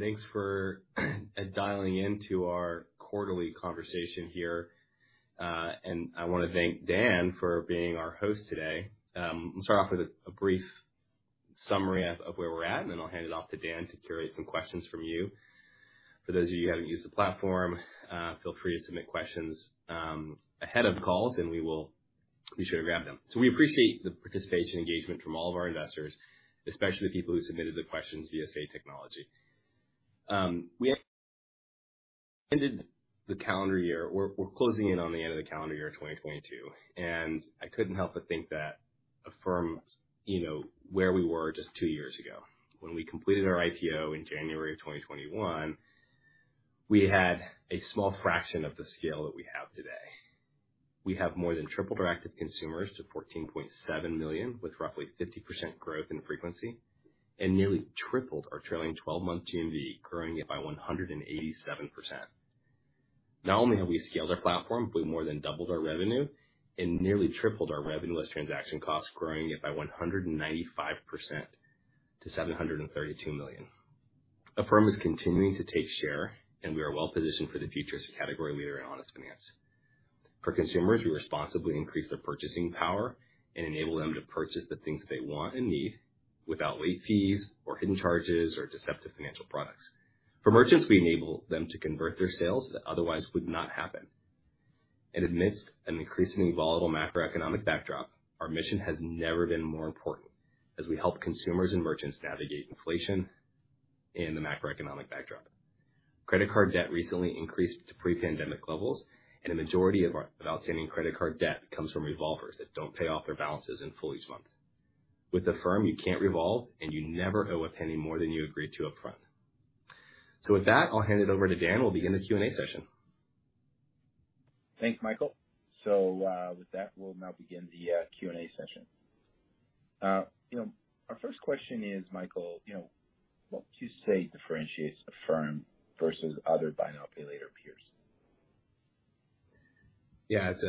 Thanks for dialing into our quarterly conversation here. I wanna thank Dan for being our host today. I'll start off with a brief summary of where we're at, and then I'll hand it off to Dan to curate some questions from you. For those of you who haven't used the platform, feel free to submit questions ahead of calls, we will be sure to grab them. We appreciate the participation engagement from all of our investors, especially the people who submitted the questions via Say Technologies. We have ended the calendar year. We're closing in on the end of the calendar year 2022, I couldn't help but think that Affirm, you know, where we were just two years ago. When we completed our IPO in January 2021, we had a small fraction of the scale that we have today. We have more than tripled our active consumers to 14.7 million, with roughly 50% growth in frequency, and nearly tripled our trailing twelve-month TMV, growing it by 187%. Not only have we scaled our platform, we've more than doubled our revenue and nearly tripled our revenue less transaction costs growing it by 195% to $732 million. Affirm is continuing to take share, and we are well positioned for the future as a category leader in honest finance. For consumers, we responsibly increase their purchasing power and enable them to purchase the things they want and need without late fees or hidden charges or deceptive financial products. For merchants, we enable them to convert their sales that otherwise would not happen. Amidst an increasingly volatile macroeconomic backdrop, our mission has never been more important as we help consumers and merchants navigate inflation and the macroeconomic backdrop. Credit card debt recently increased to pre-pandemic levels, and a majority of our outstanding credit card debt comes from revolvers that don't pay off their balances in full each month. With Affirm, you can't revolve, and you never owe a penny more than you agreed to upfront. With that, I'll hand it over to Dan. We'll begin the Q&A session. Thanks, Michael. With that, we'll now begin the Q&A session. you know, our first question is, Michael, you know, what would you say differentiates Affirm versus other buy now, pay later peers? Yeah, it's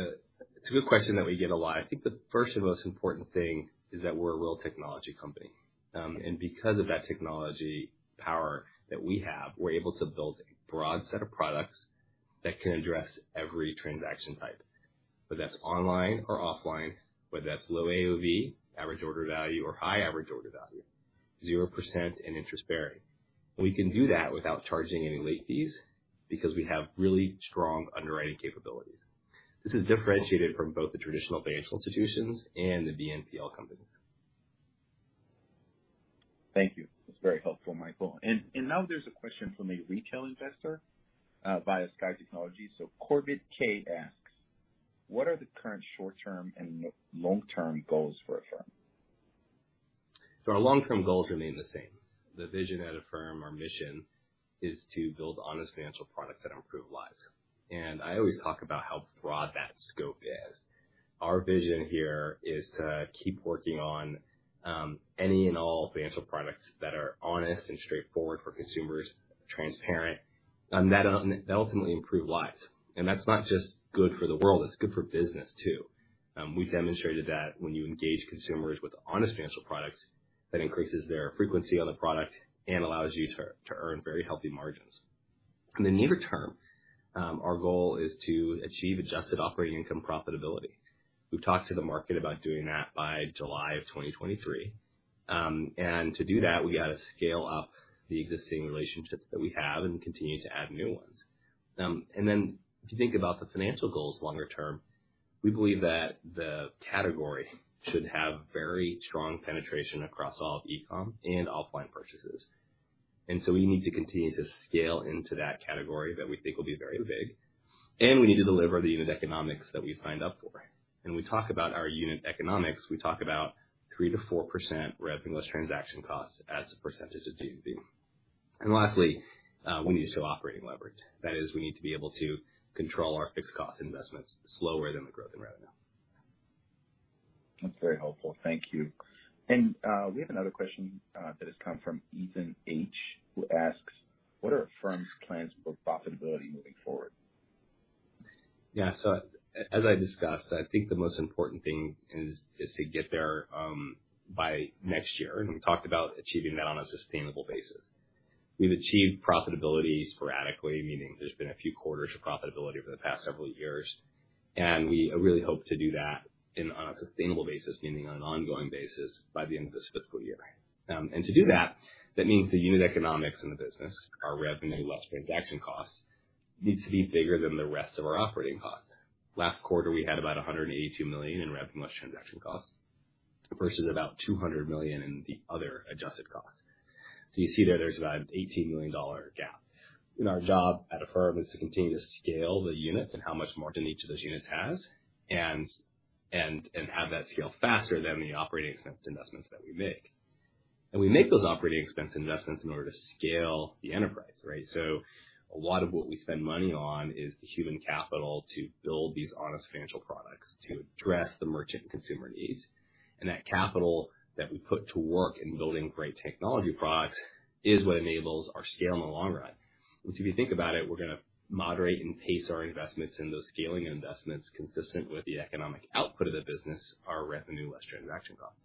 a good question that we get a lot. I think the first and most important thing is that we're a real technology company. And because of that technology power that we have, we're able to build a broad set of products that can address every transaction type, whether that's online or offline, whether that's low AOV, average order value or high average order value, 0% and interest-bearing. We can do that without charging any late fees because we have really strong underwriting capabilities. This is differentiated from both the traditional financial institutions and the BNPL companies. Thank you. That's very helpful, Michael. Now there's a question from a retail investor via Say Technologies. Corbett K. asks, "What are the current short-term and long-term goals for Affirm? Our long-term goals remain the same. The vision at Affirm, our mission, is to build honest financial products that improve lives. I always talk about how broad that scope is. Our vision here is to keep working on any and all financial products that are honest and straightforward for consumers, transparent, that ultimately improve lives. That's not just good for the world, it's good for business too. We've demonstrated that when you engage consumers with honest financial products, that increases their frequency on the product and allows you to earn very healthy margins. In the nearer term, our goal is to achieve adjusted operating income profitability. We've talked to the market about doing that by July of 2023. To do that, we gotta scale up the existing relationships that we have and continue to add new ones. If you think about the financial goals longer term, we believe that the category should have very strong penetration across all of e-com and offline purchases. We need to continue to scale into that category that we think will be very big. We need to deliver the unit economics that we signed up for. When we talk about our unit economics, we talk about 3%-4% revenue less transaction costs as a percentage of GDV. Lastly, we need to show operating leverage. That is, we need to be able to control our fixed cost investments slower than the growth in revenue. That's very helpful. Thank you. And, we have another question, that has come from Ethan H., who asks, "What are Affirm's plans for profitability moving forward? As I discussed, I think the most important thing is to get there by next year. We talked about achieving that on a sustainable basis. We've achieved profitability sporadically, meaning there's been a few quarters of profitability over the past several years, and we really hope to do that on a sustainable basis, meaning on an ongoing basis by the end of this fiscal year. To do that means the unit economics in the business, our Revenue less transaction costs, needs to be bigger than the rest of our operating costs. Last quarter, we had about $182 million in Revenue less transaction costs versus about $200 million in the other adjusted costs. You see there's about $18 million gap. Our job at Affirm is to continue to scale the units and how much margin each of those units has and have that scale faster than the operating expense investments that we make. We make those operating expense investments in order to scale the enterprise, right? A lot of what we spend money on is the human capital to build these honest financial products to address the merchant and consumer needs. That capital that we put to work in building great technology products is what enables our scale in the long run. If you think about it, we're gonna moderate and pace our investments and those scaling investments consistent with the economic output of the business, our revenue less transaction costs.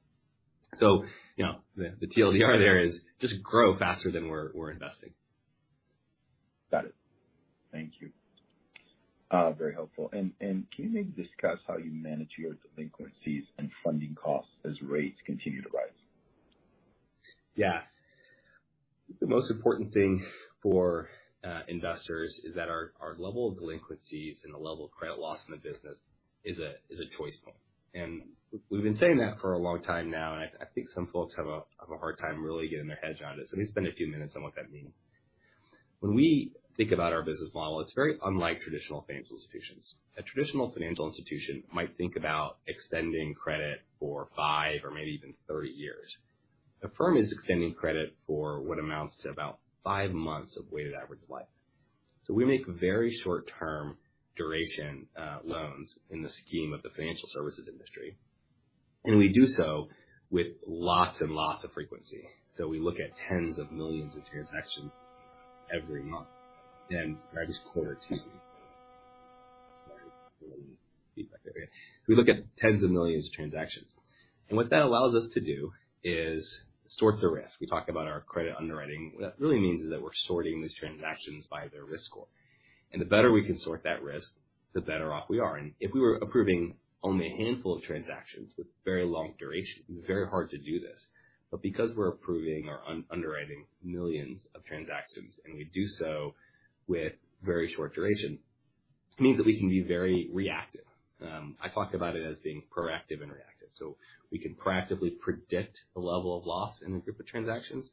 You know, the TLDR there is just grow faster than we're investing. Got it. Thank you. Very helpful. Can you maybe discuss how you manage your delinquencies and funding costs as rates continue to rise? The most important thing for investors is that our level of delinquencies and the level of credit loss in the business is a, is a choice point. We've been saying that for a long time now, and I think some folks have a, have a hard time really getting their heads around this. Let me spend a few minutes on what that means. When we think about our business model, it's very unlike traditional financial institutions. A traditional financial institution might think about extending credit for five or maybe even 30 years. Affirm is extending credit for what amounts to about five months of weighted average life. We make very short term duration loans in the scheme of the financial services industry. We do so with lots and lots of frequency. We look at tens of millions of transactions every month or I guess quarter, excuse me. We look at tens of millions of transactions. What that allows us to do is sort the risk. We talk about our credit underwriting. What that really means is that we're sorting these transactions by their risk score. The better we can sort that risk, the better off we are. If we were approving only a handful of transactions with very long duration, it would be very hard to do this. Because we're approving or underwriting millions of transactions, and we do so with very short duration, it means that we can be very reactive. I talk about it as being proactive and reactive. We can proactively predict the level of loss in a group of transactions.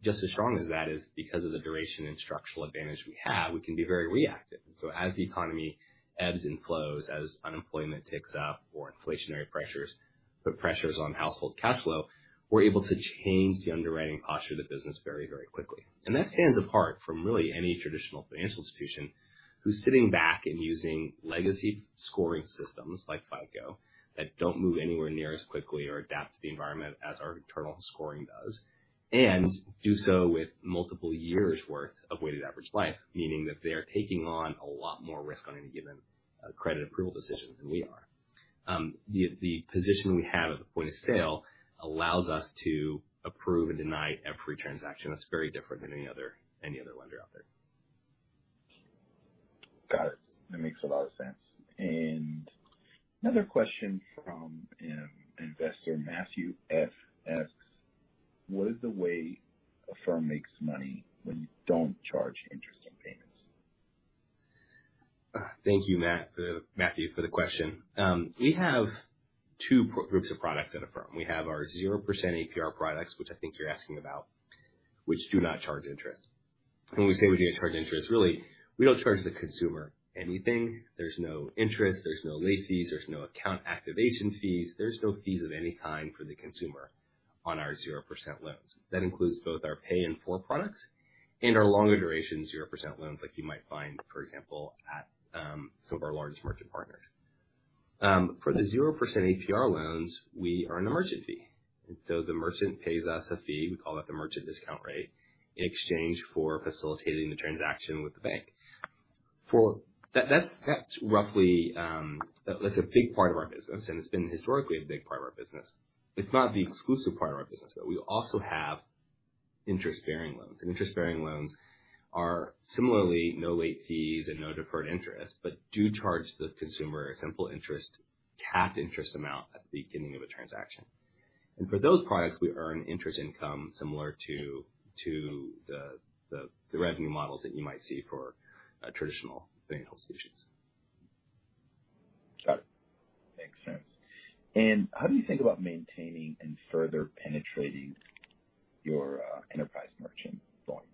Just as strong as that is, because of the duration and structural advantage we have, we can be very reactive. As the economy ebbs and flows, as unemployment ticks up or inflationary pressures put pressures on household cash flow, we're able to change the underwriting posture of the business very, very quickly. That stands apart from really any traditional financial institution who's sitting back and using legacy scoring systems like FICO that don't move anywhere near as quickly or adapt to the environment as our internal scoring does, and do so with multiple years' worth of weighted average life, meaning that they are taking on a lot more risk on any given credit approval decision than we are. The position we have at the point of sale allows us to approve and deny every transaction. That's very different than any other lender out there. Got it. That makes a lot of sense. Another question from an investor, Matthew F. asks, "What is the way Affirm makes money when you don't charge interest on payments? Thank you, Matt, Matthew, for the question. We have two groups of products at Affirm. We have our 0% APR products, which I think you're asking about, which do not charge interest. When we say we don't charge interest, really, we don't charge the consumer anything. There's no interest, there's no late fees, there's no account activation fees. There's no fees of any kind for the consumer on our 0% loans. That includes both our pay in full products and our longer duration 0% loans like you might find, for example, at some of our largest merchant partners. For the 0% APR loans, we earn a merchant fee, the merchant pays us a fee, we call that the merchant discount rate, in exchange for facilitating the transaction with the bank. That's roughly a big part of our business, and it's been historically a big part of our business. It's not the exclusive part of our business, but we also have interest-bearing loans. Interest-bearing loans are similarly no late fees and no deferred interest, but do charge the consumer a simple interest, capped interest amount at the beginning of a transaction. For those products, we earn interest income similar to the revenue models that you might see for traditional financial institutions. Got it. Makes sense. How do you think about maintaining and further penetrating your enterprise merchant volumes?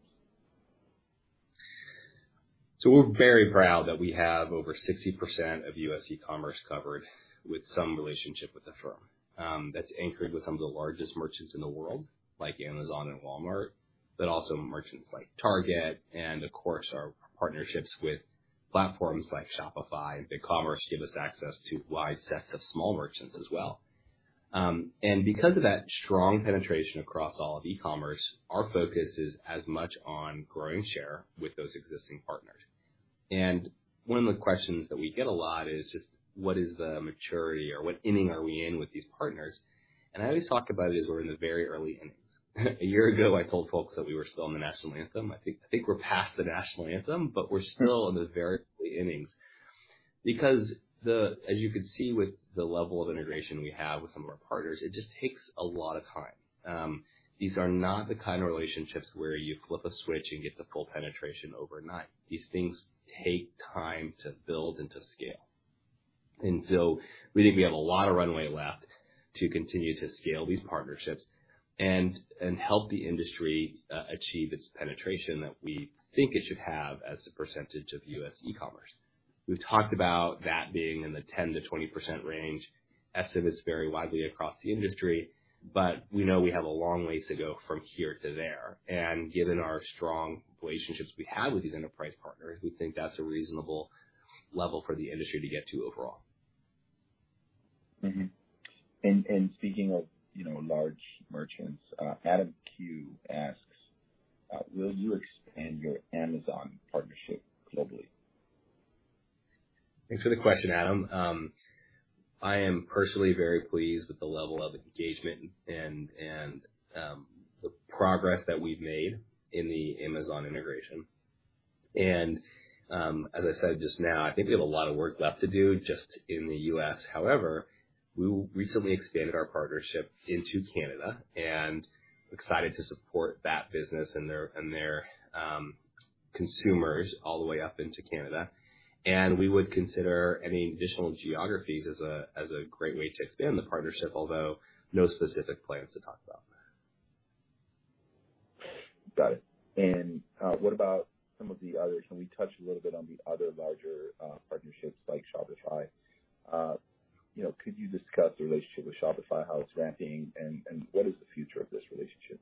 We're very proud that we have over 60% of U.S. e-commerce covered with some relationship with Affirm. That's anchored with some of the largest merchants in the world, like Amazon and Walmart, but also merchants like Target and of course, our partnerships with platforms like Shopify and BigCommerce give us access to wide sets of small merchants as well. Because of that strong penetration across all of e-commerce, our focus is as much on growing share with those existing partners. One of the questions that we get a lot is just what is the maturity or what inning are we in with these partners? I always talk about it as we're in the very early innings. A year ago, I told folks that we were still in the national anthem. I think we're past the national anthem, but we're still in the very early innings. Because as you can see with the level of integration we have with some of our partners, it just takes a lot of time. These are not the kind of relationships where you flip a switch and get the full penetration overnight. These things take time to build and to scale. We think we have a lot of runway left to continue to scale these partnerships and help the industry achieve its penetration that we think it should have as a percentage of U.S. e-commerce. We've talked about that being in the 10%-20% range. Estimates vary widely across the industry, but we know we have a long ways to go from here to there. Given our strong relationships we have with these enterprise partners, we think that's a reasonable level for the industry to get to overall. Mm-hmm. Speaking of, you know, large merchants, Adam Q asks, will you expand your Amazon partnership globally? Thanks for the question, Adam. I am personally very pleased with the level of engagement and the progress that we've made in the Amazon integration. As I said just now, I think we have a lot of work left to do just in the U.S. However, we recently expanded our partnership into Canada and excited to support that business and their consumers all the way up into Canada. We would consider any additional geographies as a, as a great way to expand the partnership, although no specific plans to talk about. Got it. What about some of the others? Can we touch a little bit on the other larger partnerships like Shopify? You know, could you discuss the relationship with Shopify, how it's ramping and what is the future of this relationship?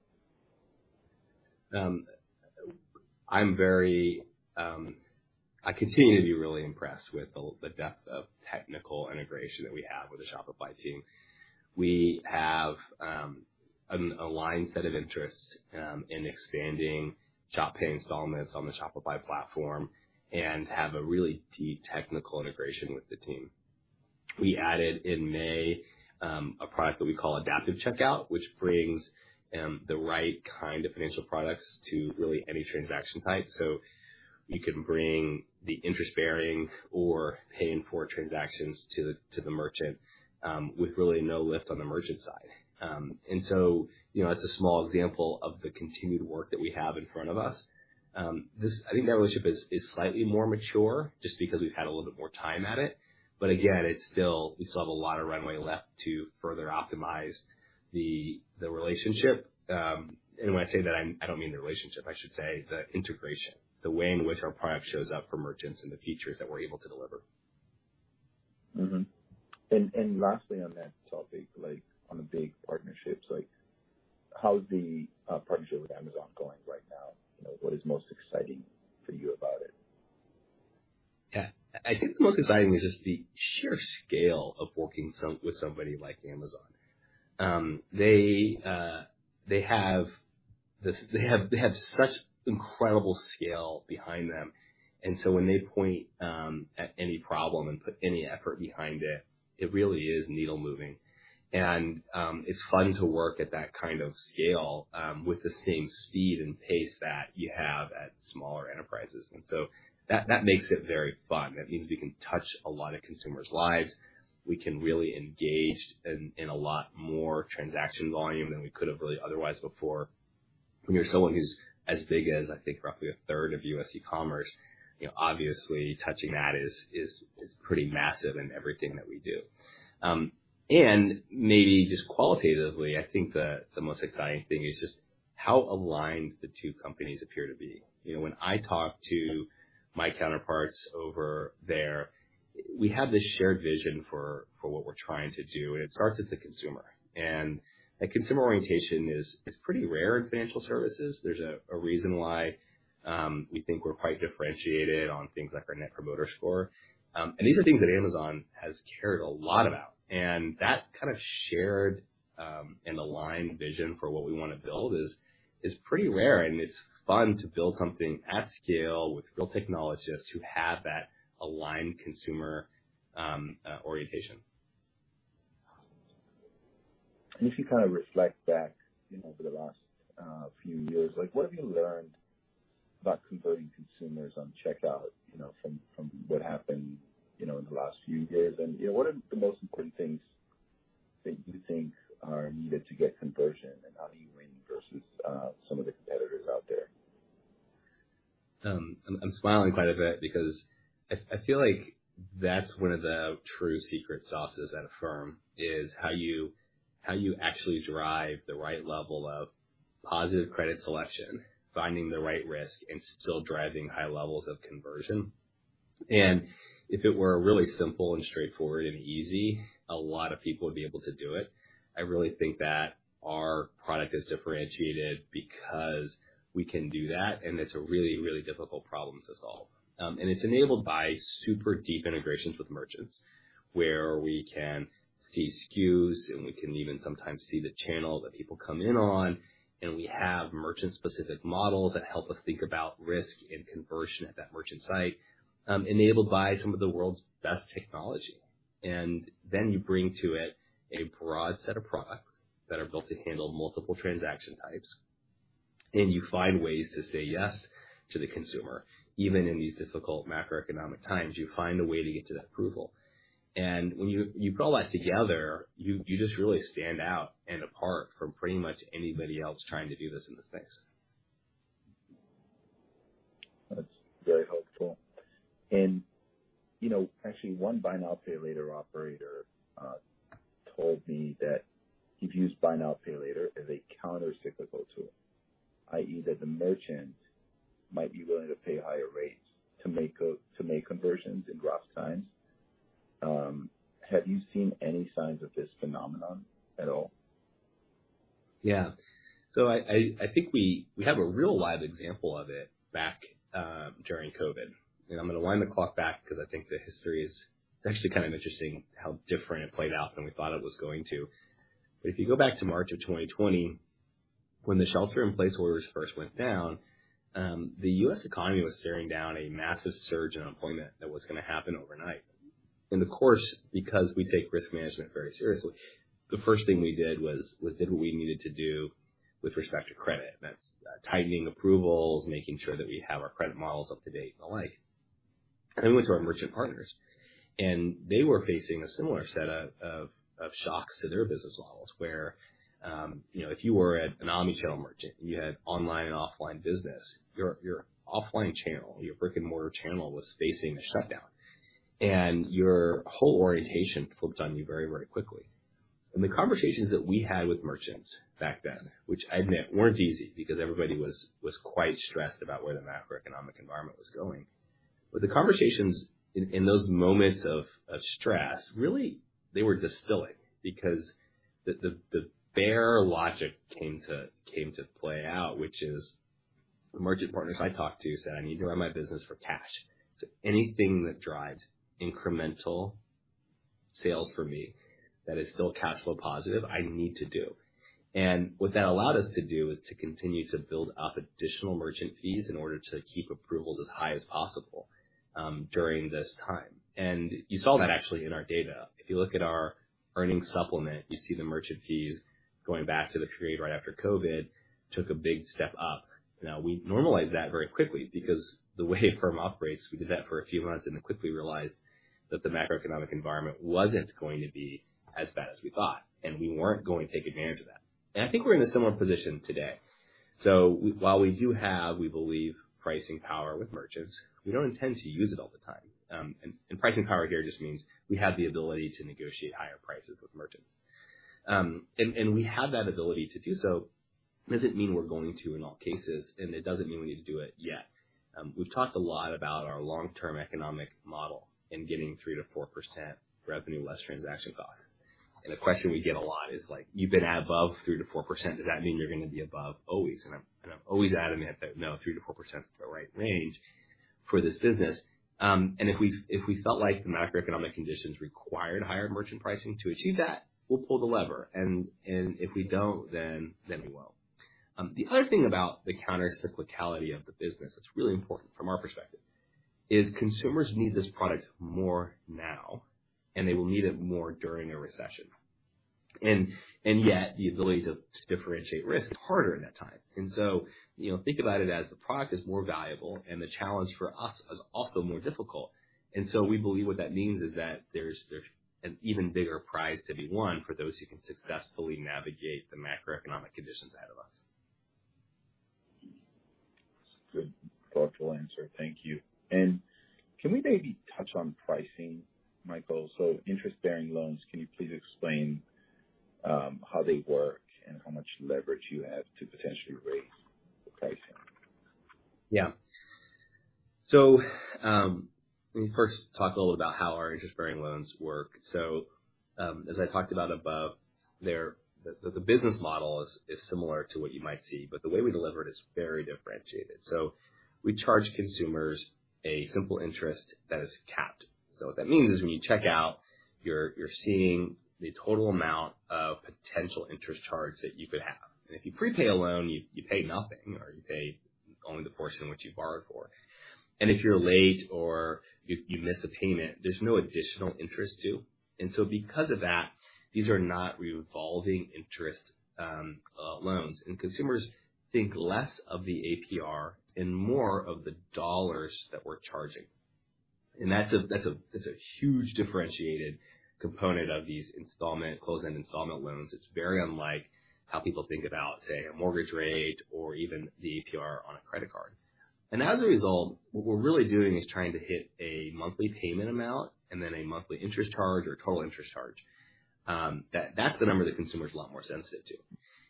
I continue to be really impressed with the depth of technical integration that we have with the Shopify team. We have an aligned set of interests in expanding Shop Pay Installments on the Shopify platform and have a really deep technical integration with the team. We added in May a product that we call Adaptive Checkout, which brings the right kind of financial products to really any transaction type. We can bring the interest-bearing or Pay in 4 transactions to the merchant with really no lift on the merchant side. You know, that's a small example of the continued work that we have in front of us. I think the relationship is slightly more mature just because we've had a little bit more time at it. Again, it's still, we still have a lot of runway left to further optimize the relationship. When I say that, I don't mean the relationship, I should say the integration, the way in which our product shows up for merchants and the features that we're able to deliver. Mm-hmm. Lastly on that topic, like on the big partnerships, like how is the partnership with Amazon going right now? You know, what is most exciting for you about it? Yeah. I think the most exciting thing is just the sheer scale of working with somebody like Amazon. They have this, they have such incredible scale behind them. When they point at any problem and put any effort behind it really is needle moving. It's fun to work at that kind of scale with the same speed and pace that you have at smaller enterprises. That makes it very fun. That means we can touch a lot of consumers' lives. We can really engage in a lot more transaction volume than we could have really otherwise before. When you're someone who's as big as I think roughly a third of U.S. e-commerce, you know, obviously touching that is pretty massive in everything that we do. Maybe just qualitatively, I think the most exciting thing is just how aligned the two companies appear to be. You know, when I talk to my counterparts over there, we have this shared vision for what we're trying to do, and it starts with the consumer. That consumer orientation is pretty rare in financial services. There's a reason why we think we're quite differentiated on things like our Net Promoter Score. These are things that Amazon has cared a lot about. That kind of shared and aligned vision for what we wanna build is pretty rare, and it's fun to build something at scale with real technologists who have that aligned consumer orientation. If you kind of reflect back, you know, over the last, few years, like what have you learned about converting consumers on checkout, you know, from what happened, you know, in the last few years? What are the most important things that you think are needed to get conversion, and how do you win versus, some of the competitors out there? I'm smiling quite a bit because I feel like that's one of the true secret sauces at Affirm is how you actually drive the right level of positive credit selection, finding the right risk, and still driving high levels of conversion. If it were really simple and straightforward and easy, a lot of people would be able to do it. I really think that our product is differentiated because we can do that and it's a really difficult problem to solve. It's enabled by super deep integrations with merchants, where we can see SKUs, and we can even sometimes see the channel that people come in on. We have merchant-specific models that help us think about risk and conversion at that merchant site, enabled by some of the world's best technology. Then you bring to it a broad set of products that are built to handle multiple transaction types, and you find ways to say yes to the consumer. Even in these difficult macroeconomic times, you find a way to get to that approval. When you put all that together, you just really stand out and apart from pretty much anybody else trying to do this in the space. That's very helpful. You know, actually one buy now, pay later operator told me that he views buy now, pay later as a countercyclical tool, i.e., that the merchant might be willing to pay higher rates to make conversions in rough times. Have you seen any signs of this phenomenon at all? I think we have a real live example of it back during COVID. I'm gonna wind the clock back 'cause I think the history is actually kind of interesting how different it played out than we thought it was going to. If you go back to March of 2020, when the shelter-in-place orders first went down, the U.S. economy was staring down a massive surge in unemployment that was gonna happen overnight. In the course, because we take risk management very seriously, the first thing we did was did what we needed to do with respect to credit. That's tightening approvals, making sure that we have our credit models up to date and the like. Went to our merchant partners, they were facing a similar set of shocks to their business models where, you know, if you were at an omnichannel merchant, you had online and offline business, your offline channel, your brick-and-mortar channel was facing a shutdown. Your whole orientation flipped on you very, very quickly. The conversations that we had with merchants back then, which I admit weren't easy because everybody was quite stressed about where the macroeconomic environment was going. The conversations in those moments of stress, really, they were distilling because the bare logic came to play out, which is the merchant partners I talked to said, "I need to run my business for cash. Anything that drives incremental sales for me that is still cash flow positive, I need to do." What that allowed us to do was to continue to build up additional merchant fees in order to keep approvals as high as possible during this time. You saw that actually in our data. If you look at our earnings supplement, you see the merchant fees going back to the period right after COVID took a big step up. We normalized that very quickly because the way Affirm operates, we did that for a few months and then quickly realized that the macroeconomic environment wasn't going to be as bad as we thought, and we weren't going to take advantage of that. I think we're in a similar position today. While we do have, we believe, pricing power with merchants, we don't intend to use it all the time. And pricing power here just means we have the ability to negotiate higher prices with merchants. And we have that ability to do so. It doesn't mean we're going to in all cases, and it doesn't mean we need to do it yet. We've talked a lot about our long-term economic model in getting 3%-4% revenue less transaction costs. The question we get a lot is like, "You've been at above 3%-4%. Does that mean you're going to be above always?" I'm always adamant that no 3%-4%'s the right range for this business. If we felt like the macroeconomic conditions required higher merchant pricing to achieve that, we'll pull the lever. If we don't, then we won't. The other thing about the countercyclicality of the business that's really important from our perspective is consumers need this product more now, and they will need it more during a recession. Yet the ability to differentiate risk is harder in that time. So, you know, think about it as the product is more valuable and the challenge for us is also more difficult. So we believe what that means is that there's an even bigger prize to be won for those who can successfully navigate the macroeconomic conditions ahead of us. Good, thoughtful answer. Thank you. Can we maybe touch on pricing, Michael? Interest-bearing loans, can you please explain how they work and how much leverage you have to potentially raise the pricing? Let me first talk a little about how our interest-bearing loans work. As I talked about above, the business model is similar to what you might see, but the way we deliver it is very differentiated. We charge consumers a simple interest that is capped. What that means is when you check out, you're seeing the total amount of potential interest charge that you could have. If you prepay a loan, you pay nothing or you pay only the portion which you borrowed for. If you're late or you miss a payment, there's no additional interest due. Because of that, these are not revolving interest loans. Consumers think less of the APR and more of the dollars that we're charging. That's a huge, differentiated component of these installment, closed-end installment loans. It's very unlike how people think about, say, a mortgage rate or even the APR on a credit card. As a result, what we're really doing is trying to hit a monthly payment amount and then a monthly interest charge or total interest charge, that's the number the consumer's a lot more sensitive to.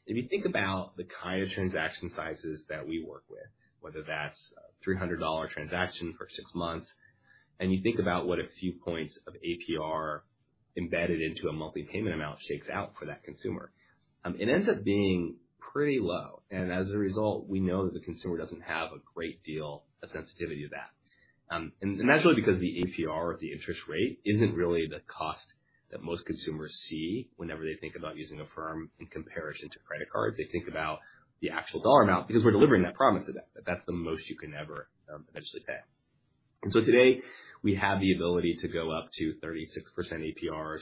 If you think about the kind of transaction sizes that we work with, whether that's a $300 transaction for six months, you think about what a few points of APR embedded into a monthly payment amount shakes out for that consumer, it ends up being pretty low. As a result, we know that the consumer doesn't have a great deal of sensitivity to that. That's really because the APR of the interest rate isn't really the cost that most consumers see whenever they think about using Affirm in comparison to credit cards. They think about the actual dollar amount because we're delivering that promise to them, that that's the most you can ever potentially pay. Today we have the ability to go up to 36% APRs,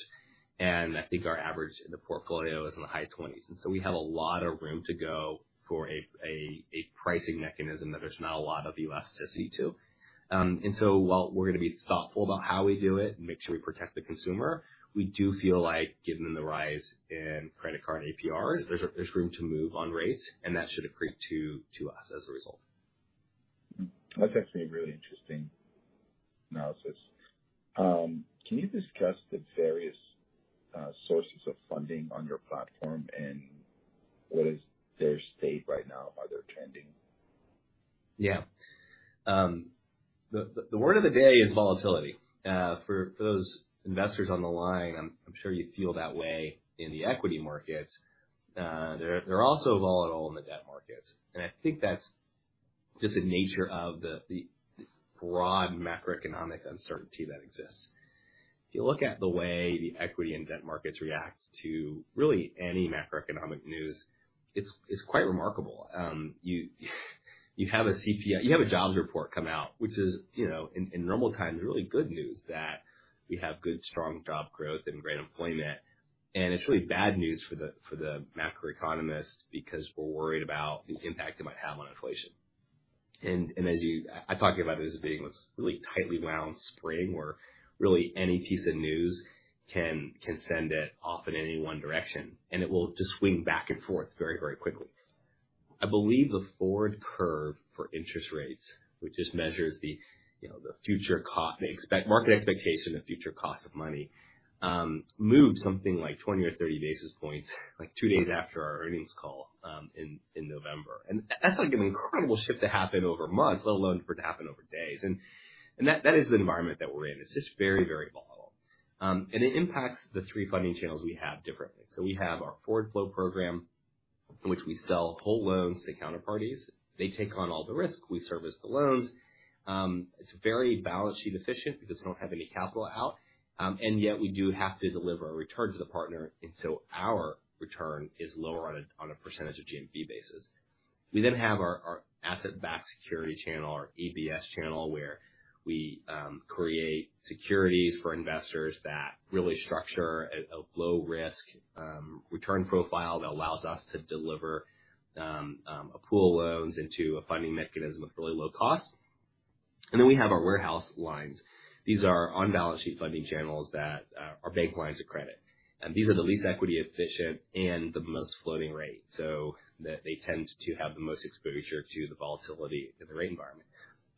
and I think our average in the portfolio is in the high 20s. We have a lot of room to go for a pricing mechanism that there's not a lot of elasticity to. While we're gonna be thoughtful about how we do it and make sure we protect the consumer, we do feel like given the rise in credit card APRs, there's room to move on rates and that should accrete to us as a result. That's actually a really interesting analysis. Can you discuss the various sources of funding on your platform and what is their state right now? How they're trending? Yeah. The word of the day is volatility. For those investors on the line, I'm sure you feel that way in the equity markets. They're also volatile in the debt markets, and I think that's just the nature of the broad macroeconomic uncertainty that exists. If you look at the way the equity and debt markets react to really any macroeconomic news, it's quite remarkable. You have a jobs report come out, which is, you know, in normal times, really good news that we have good strong job growth and great employment. It's really bad news for the macroeconomists because we're worried about the impact it might have on inflation. As you... I talked about it as being this really tightly wound spring where really any piece of news can send it off in any one direction, and it will just swing back and forth very, very quickly. I believe the forward curve for interest rates, which just measures, you know, the future market expectation of future cost of money, moved something like 20 or 30 basis points like two days after our earnings call in November. That's like an incredible shift to happen over months, let alone for it to happen over days. That is the environment that we're in. It's just very, very volatile. It impacts the three funding channels we have differently. We have our Forward Flow Program in which we sell whole loans to counterparties. They take on all the risk. We service the loans. It's very balance sheet efficient because we don't have any capital out, yet we do have to deliver a return to the partner, our return is lower on a percentage of GMP basis. We have our asset-backed security channel, our ABS channel, where we create securities for investors that really structure a low-risk return profile that allows us to deliver a pool of loans into a funding mechanism with really low cost. We have our warehouse lines. These are on-balance sheet funding channels that are bank lines of credit. These are the least equity efficient and the most floating rate, so they tend to have the most exposure to the volatility in the rate environment.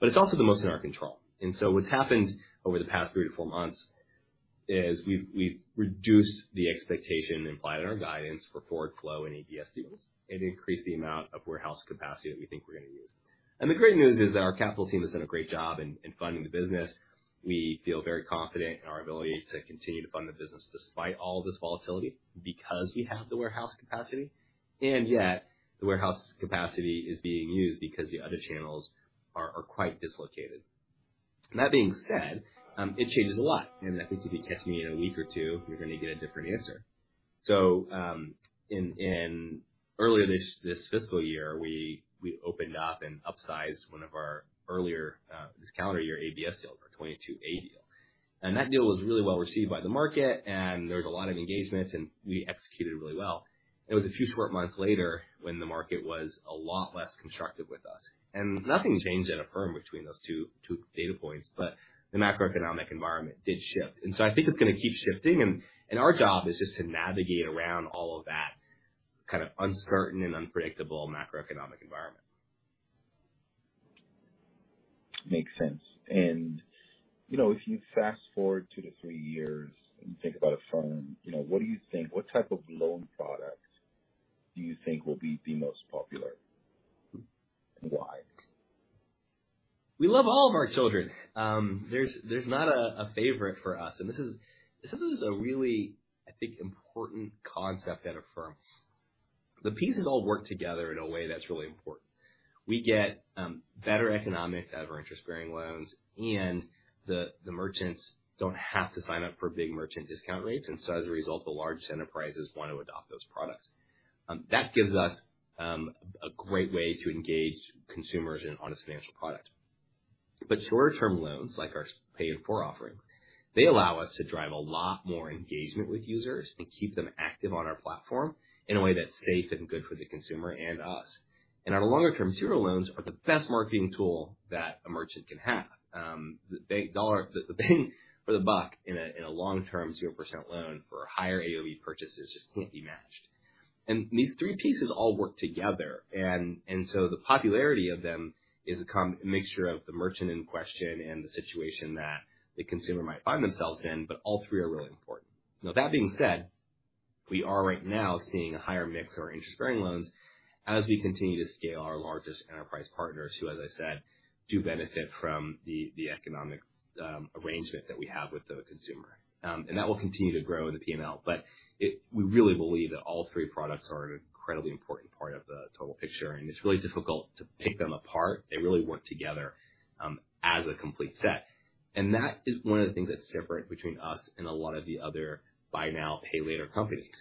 It's also the most in our control. What's happened over the past three to four months is we've reduced the expectation implied in our guidance for forward flow and ABS deals and increased the amount of warehouse capacity that we think we're going to use. The great news is our capital team has done a great job in funding the business. We feel very confident in our ability to continue to fund the business despite all this volatility because we have the warehouse capacity, and yet the warehouse capacity is being used because the other channels are quite dislocated. That being said, it changes a lot, and I think if you test me in a week or two, you're going to get a different answer. In. Earlier this fiscal year, we opened up and upsized one of our earlier, this calendar year ABS deal, our 2022-A deal. That deal was really well received by the market and there was a lot of engagement and we executed really well. It was a few short months later when the market was a lot less constructive with us. Nothing changed at Affirm between those two data points, but the macroeconomic environment did shift. I think it's gonna keep shifting and our job is just to navigate around all of that kind of uncertain and unpredictable macroeconomic environment. Makes sense. you know, if you fast-forward two to three years and think about Affirm, you know, what type of loan product do you think will be the most popular, and why? We love all of our children. There's not a favorite for us. This is a really I think important concept at Affirm. The pieces all work together in a way that's really important. We get better economics out of our interest-bearing loans, and the merchants don't have to sign up for big merchant discount rates. As a result, the largest enterprises want to adopt those products. That gives us a great way to engage consumers in on a financial product. Shorter-term loans, like our Pay in 4 offerings, they allow us to drive a lot more engagement with users and keep them active on our platform in a way that's safe and good for the consumer and us. Our longer term zero loans are the best marketing tool that a merchant can have. The bang for the buck in a long-term 0% loan for higher AOV purchases just can't be matched. These three pieces all work together and so the popularity of them is a mixture of the merchant in question and the situation that the consumer might find themselves in, but all three are really important. Now, that being said, we are right now seeing a higher mix of our interest-bearing loans as we continue to scale our largest enterprise partners who, as I said, do benefit from the economic arrangement that we have with the consumer. That will continue to grow in the P&L. We really believe that all three products are an incredibly important part of the total picture, and it's really difficult to pick them apart. They really work together as a complete set. That is one of the things that's different between us and a lot of the other buy now, pay later companies.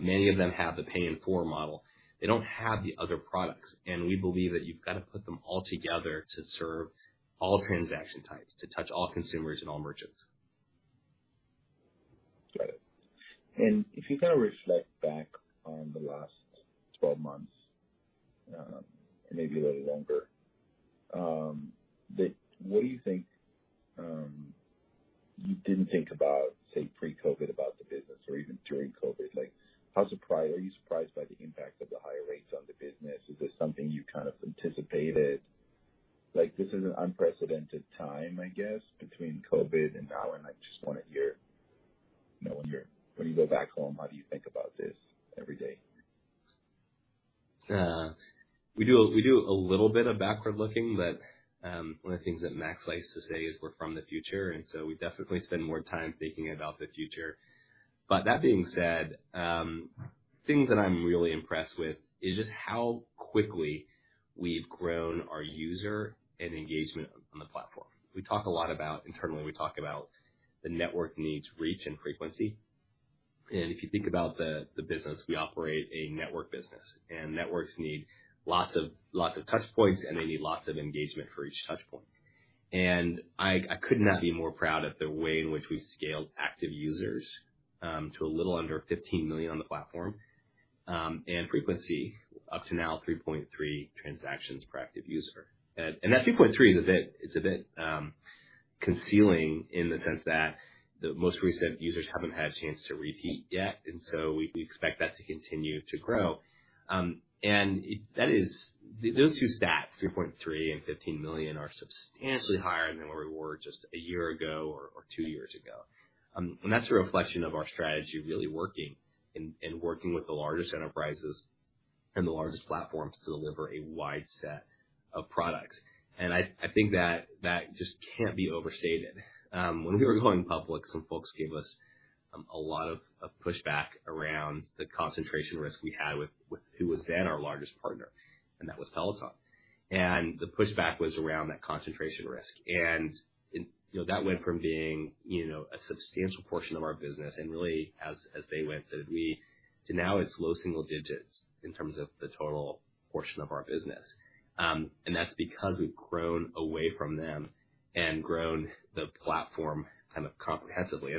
Many of them have the Pay in 4 model. They don't have the other products, and we believe that you've got to put them all together to serve all transaction types, to touch all consumers and all merchants. Got it. If you kind of reflect back on the last 12 months, and maybe a little longer, what do you think you didn't think about, say, pre-COVID about the business or even during COVID? Like, are you surprised by the impact of the higher rates on the business? Is this something you kind of anticipated? Like, this is an unprecedented time, I guess, between COVID and now, and I just wanna hear. No wonder. When you go back home, how do you think about this every day? We do a little bit of backward-looking, but one of the things that Max likes to say is we're from the future, and so we definitely spend more time thinking about the future. That being said, things that I'm really impressed with is just how quickly we've grown our user and engagement on the platform. Internally, we talk about the network needs reach and frequency. If you think about the business, we operate a network business and networks need lots of touch points, and they need lots of engagement for each touch point. I could not be more proud of the way in which we've scaled active users to a little under 15 million on the platform. And frequency up to now 3.3 transactions per active user. That 3.3 is a bit, it's a bit concealing in the sense that the most recent users haven't had a chance to repeat yet, so we expect that to continue to grow. That is, those two stats, 3.3 and $15 million, are substantially higher than where we were just a year ago or two years ago. That's a reflection of our strategy really working and working with the largest enterprises and the largest platforms to deliver a wide set of products. I think that just can't be overstated. When we were going public, some folks gave us a lot of pushback around the concentration risk we had with who was then our largest partner, and that was Peloton. The pushback was around that concentration risk. You know, that went from being, you know, a substantial portion of our business and really as they went, so did we. To now it's low single digits in terms of the total portion of our business. That's because we've grown away from them and grown the platform kind of comprehensively.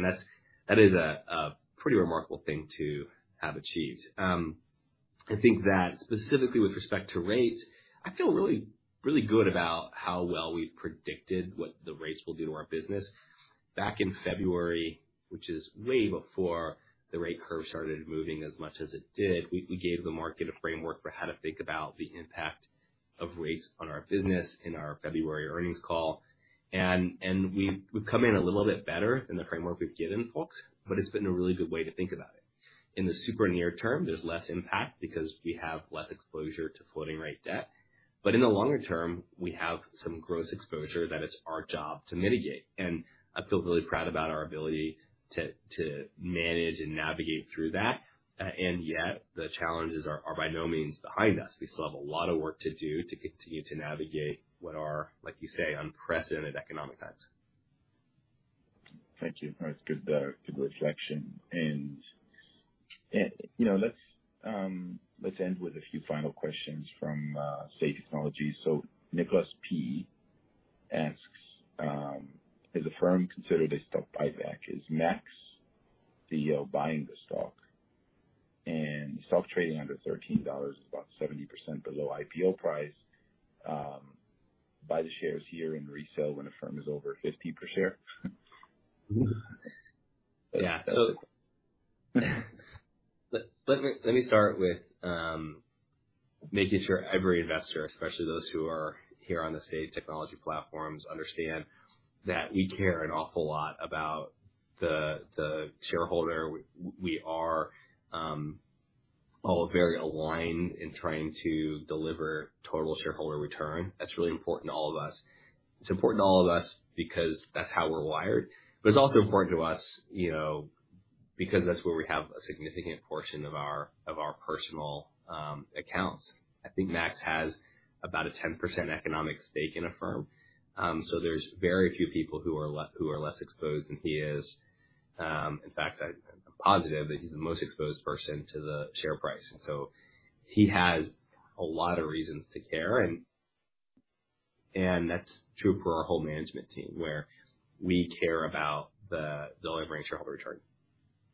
That is a pretty remarkable thing to have achieved. I think that specifically with respect to rates, I feel really, really good about how well we've predicted what the rates will do to our business. Back in February, which is way before the rate curve started moving as much as it did, we gave the market a framework for how to think about the impact of rates on our business in our February earnings call. We've come in a little bit better than the framework we've given folks, but it's been a really good way to think about it. In the super near term, there's less impact because we have less exposure to floating rate debt. In the longer term, we have some gross exposure that it's our job to mitigate. I feel really proud about our ability to manage and navigate through that. Yet the challenges are by no means behind us. We still have a lot of work to do to continue to navigate what are, like you say, unprecedented economic times. Thank you. No, it's good reflection. You know, let's end with a few final questions from Say Technologies. Nicholas P. asks, "Has the firm considered a stock buyback? Is Max, the CEO, buying the stock? The stock trading under $13 is about 70% below IPO price. Buy the shares here and resell when the firm is over $50 per share. Let me start with making sure every investor, especially those who are here on the Say Technologies platforms, understand that we care an awful lot about the shareholder. We are all very aligned in trying to deliver total shareholder return. That's really important to all of us. It's important to all of us because that's how we're wired. It's also important to us, you know, because that's where we have a significant portion of our, of our personal accounts. I think Max has about a 10% economic stake in Affirm. There's very few people who are less exposed than he is. In fact, I'm positive that he's the most exposed person to the share price. He has a lot of reasons to care, and that's true for our whole management team, where we care about the delivery and shareholder return.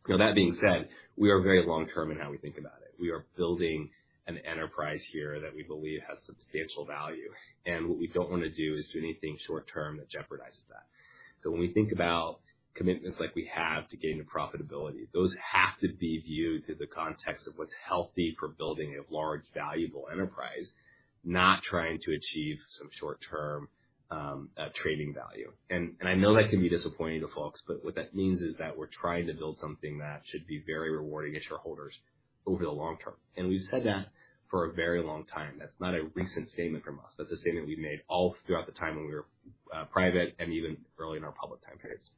You know, that being said, we are very long-term in how we think about it. We are building an enterprise here that we believe has substantial value, and what we don't wanna do is do anything short term that jeopardizes that. When we think about commitments like we have to gain a profitability, those have to be viewed through the context of what's healthy for building a large, valuable enterprise, not trying to achieve some short-term trading value. I know that can be disappointing to folks, but what that means is that we're trying to build something that should be very rewarding to shareholders over the long term. We've said that for a very long time. That's not a recent statement from us. That's a statement we've made all throughout the time when we were private and even early in our public time periods.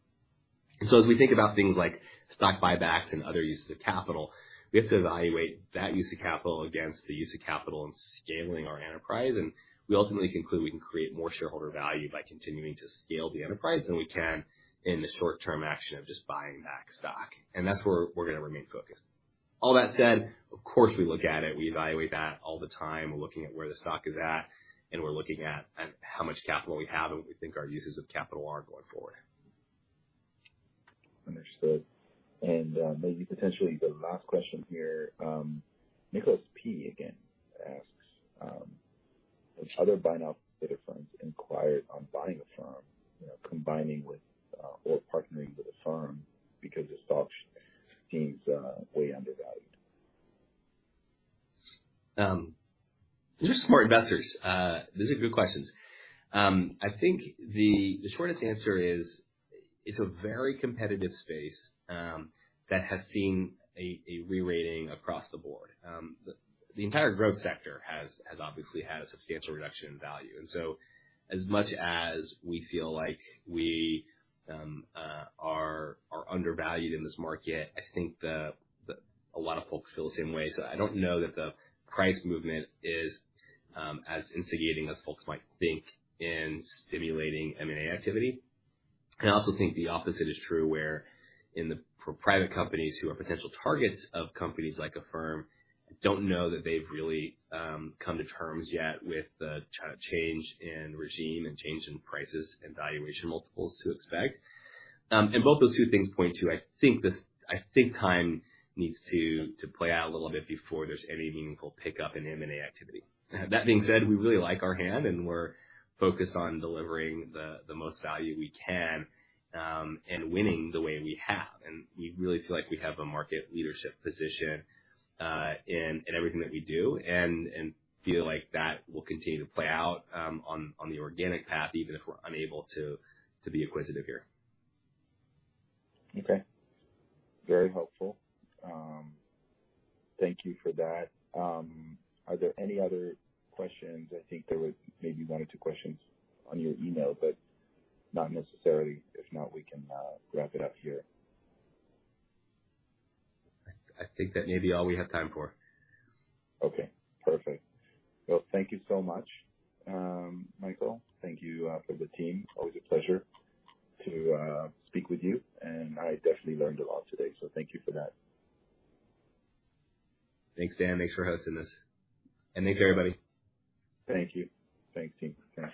As we think about things like stock buybacks and other uses of capital, we have to evaluate that use of capital against the use of capital in scaling our enterprise. We ultimately conclude we can create more shareholder value by continuing to scale the enterprise than we can in the short-term action of just buying back stock. That's where we're gonna remain focused. All that said, of course, we look at it, we evaluate that all the time. We're looking at where the stock is at, and we're looking at how much capital we have and what we think our uses of capital are going forward. Understood. Maybe potentially the last question here, Nicholas P. again asks, "Has other buy now firms inquired on buying the firm, you know, combining with or partnering with the firm because the stock seems way undervalued? These are smart investors. These are good questions. I think the shortest answer is it's a very competitive space that has seen a re-rating across the board. The entire growth sector has obviously had a substantial reduction in value. As much as we feel like we are undervalued in this market, I think a lot of folks feel the same way. I don't know that the price movement is as instigating as folks might think in stimulating M&A activity. I also think the opposite is true, where for private companies who are potential targets of companies like Affirm, don't know that they've really come to terms yet with the change in regime and change in prices and valuation multiples to expect. Both those two things point to, I think time needs to play out a little bit before there's any meaningful pickup in M&A activity. That being said, we really like our hand, and we're focused on delivering the most value we can and winning the way we have. We really feel like we have a market leadership position, in everything that we do and feel like that will continue to play out, on the organic path, even if we're unable to be acquisitive here. Okay. Very helpful. Thank you for that. Are there any other questions? I think there was maybe one or two questions on your email, but not necessarily. If not, we can wrap it up here. I think that may be all we have time for. Perfect. Thank you so much, Michael. Thank you for the team. Always a pleasure to speak with you, and I definitely learned a lot today, so thank you for that. Thanks, Dan. Thanks for hosting this. Thanks, everybody. Thank you. Thanks, team.